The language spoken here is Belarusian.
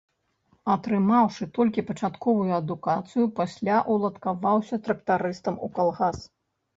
Атрымаўшы толькі пачатковую адукацыю, пасля уладкаваўся трактарыстам у калгас.